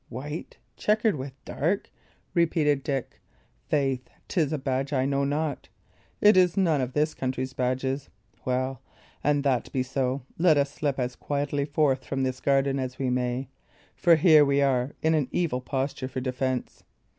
"White, chequered with dark," repeated Dick. "Faith, 'tis a badge I know not. It is none of this country's badges. Well, an that be so, let us slip as quietly forth from this garden as we may; for here we are in an evil posture for defence.